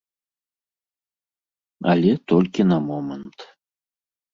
Але толькі на момант.